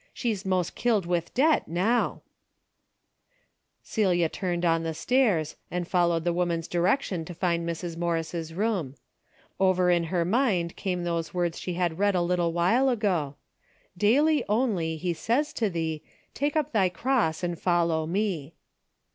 She's most killed Avith debt noAV." Celia turned on the stairs, and folloAved the Avoman's direction to find Mrs. Morris' room. 28 DAILY RATEA^ Ov^er in her mind came those vyords she had read a little while ago. "Daily, only, he says to thee, ^ Take up thy cross and follow me.